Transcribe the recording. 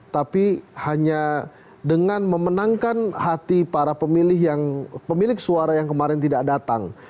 tapi hanya dengan memenangkan hati para pemilik suara yang kemarin tidak datang